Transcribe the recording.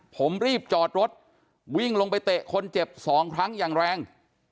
ผมรีบจอดรถวิ่งลงไปเตะคนเจ็บ๒ครั้งอย่างแรง